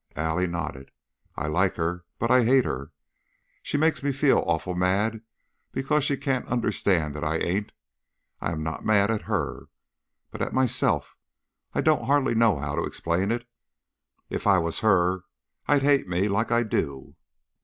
Allie nodded. "I like her, but I hate her. She makes me feel awful mad because she can't understand that I ain't I am not mad at her, but at myself. I don't hardly know how to explain it. If I was her I'd hate me, like I do."